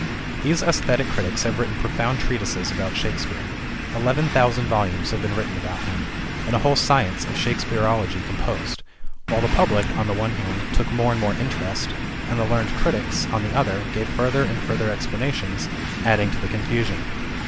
These esthetic critics have written profound treatises about Shakespeare. Eleven thousand volumes have been written about him, and a whole science of Shakespearology composed; while the public, on the one hand, took more and more interest, and the learned critics, on the other hand, gave further and further explanations, adding to the confusion.